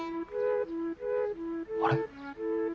あれ？